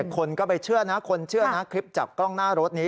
คนก็ไปเชื่อนะคลิปจากกล้องหน้ารถนี้